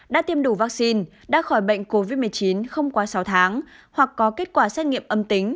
đã tiêm đủ vaccine đã khỏi bệnh covid một mươi chín không quá sáu tháng hoặc có kết quả xét nghiệm âm tính